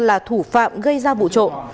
là thủ phạm gây ra vụ trộm